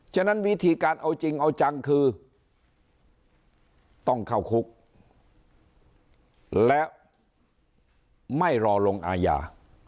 ฉะนั้นวิธีการเอาจริงเอาจังคือต้องเข้าคุกแล้วไม่รอลงอาญา